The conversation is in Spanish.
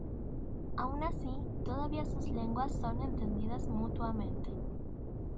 Aun así, todavía sus lenguas son entendidas mutuamente.